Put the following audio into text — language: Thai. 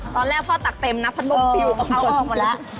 ตอนแรกพ่อตักเต็มนะพัดลมปิวมะเอาออกหมดแล้ว